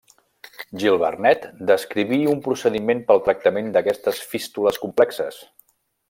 Gil-Vernet descriví un procediment pel tractament d'aquestes fístules complexes.